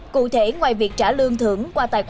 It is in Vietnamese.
cụ thể ngoài việc trả lương thưởng